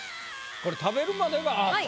これ食べるまでがアート。